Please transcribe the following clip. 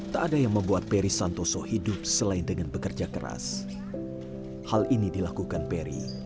tak ada yang membuat peri santoso hidup selain dengan bekerja keras hal ini dilakukan peri